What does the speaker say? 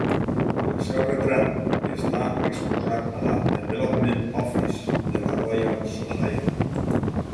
El seu retrat està exposat a la Development Office de la Royal Society.